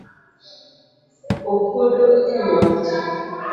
Okuodo janyodh ji.